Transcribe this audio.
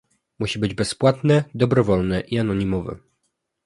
musi być bezpłatne, dobrowolne i anonimowe